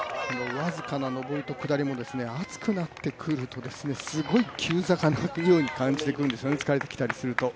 僅かな上りと下りも暑くなってくると、すごい急坂に感じるようになってくるんですよね、疲れてきたりすると。